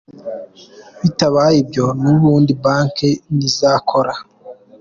Bitabaye ibyo n’ ubundi banki ntizakora.